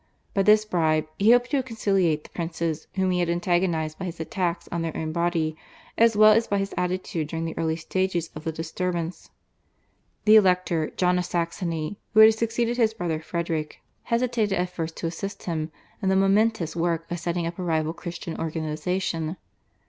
By this bribe he hoped to conciliate the princes, whom he had antagonised by his attacks on their own body as well as by his attitude during the early stages of the disturbance. The Elector John of Saxony, who had succeeded his brother Frederick, hesitated at first to assist him in the momentous work of setting up a rival Christian organisation.